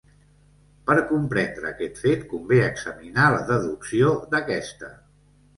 Per comprendre aquest fet convé examinar la deducció d'aquesta.